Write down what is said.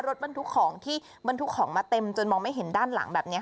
รถบรรทุกของที่บรรทุกของมาเต็มจนมองไม่เห็นด้านหลังแบบนี้